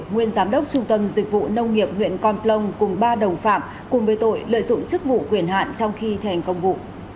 nguyên giám đốc trung tâm dịch vụ nông nghiệp huyện con plông cùng ba đồng phạm cùng với tội lợi dụng chức vụ quyền hạn trong khi thành công vụ